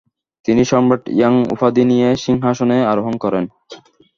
তিনি সম্রাট ইয়াং উপাধি নিয়ে সিংহাসনে আরোহণ করেন।